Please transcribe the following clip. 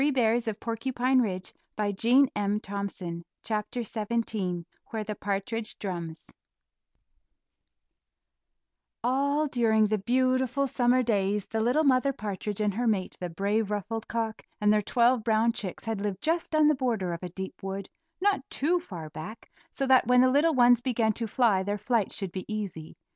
[Illustration: WHERE THE PARTRIDGE DRUMS] XVII WHERE THE PARTRIDGE DRUMS All during the beautiful summer days the little Mother Partridge and her mate, the brave, ruffled cock, and their twelve brown chicks had lived just on the border of a deep wood, not too far back, so that when the little ones began to fly their flight should be easy.